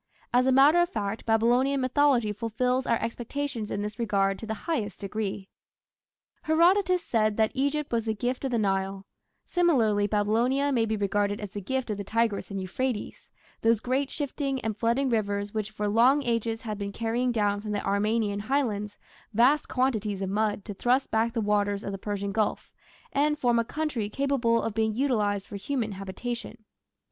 As a matter of fact Babylonian mythology fulfils our expectations in this regard to the highest degree. Herodotus said that Egypt was the gift of the Nile: similarly Babylonia may be regarded as the gift of the Tigris and Euphrates those great shifting and flooding rivers which for long ages had been carrying down from the Armenian Highlands vast quantities of mud to thrust back the waters of the Persian Gulf and form a country capable of being utilized for human habitation.